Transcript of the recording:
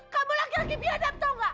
kamu lagi lagi biadab tahu nggak